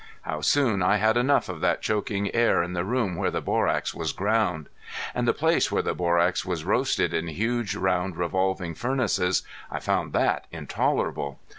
How soon I had enough of that choking air in the room where the borax was ground! And the place where the borax was roasted in huge round revolving furnaces I found that intolerable.